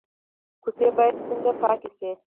کوڅې باید څنګه پاکې شي؟